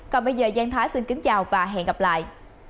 còn bây giờ giang thái xin kính chào và hẹn gặp lại